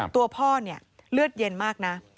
ตัวพ่อเนี่ยเลือดเย็นมากนะ